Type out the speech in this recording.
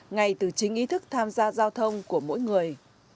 ngay từ chính ý thức tham gia giao thông của mỗi người